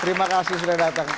terima kasih sudah datang